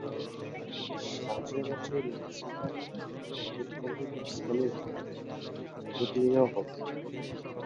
সচরাচর নিউজিল্যান্ড দলের উদ্বোধনী ব্যাটসম্যানের ভূমিকায় অবতীর্ণ হতেন।